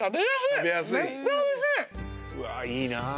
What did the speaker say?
うわあいいな。